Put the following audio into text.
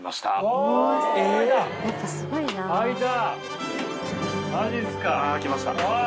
お開いた。